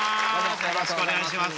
よろしくお願いします。